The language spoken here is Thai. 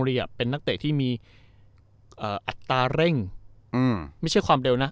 เป็นนักเตะที่มีอัตราเร่งไม่ใช่ความเร็วนะ